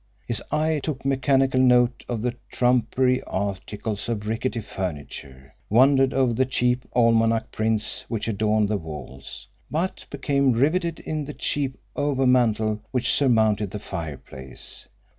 His eye took mechanical note of the trumpery articles of rickety furniture; wandered over the cheap almanac prints which adorned the walls; but became riveted in the cheap overmantel which surmounted the fire place.